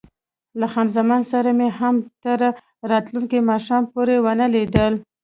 له خان زمان سره مې هم تر راتلونکي ماښام پورې ونه لیدل.